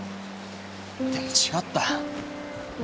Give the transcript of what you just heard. でも違った。